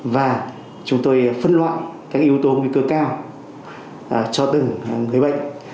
và chúng tôi phân loại các yếu tố nguy cơ cao cho từng người bệnh